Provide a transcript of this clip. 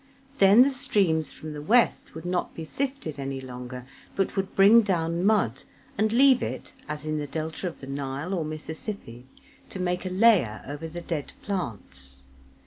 Then the streams from the west would not be sifted any longer but would bring down mud, and leave it, as in the delta of the Nile or Mississippi, to make a layer over the dead plants.